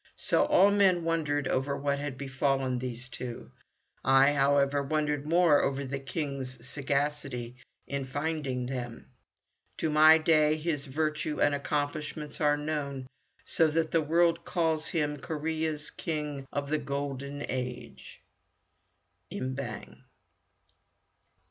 So all men wondered over what had befallen these two. I, however, wondered more over the King's sagacity in finding them. To my day his virtue and accomplishments are known, so that the world calls him Korea's King of the Golden Age. Im Bang.